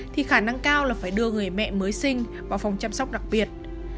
thì khả năng cao là phải đưa người mẹ mới sinh vào phòng chăm sóc đặc biệt